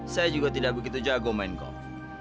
saya juga tidak begitu jago main golf